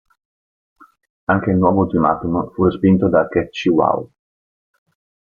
Anche il nuovo ultimatum fu respinto da Cetshwayo.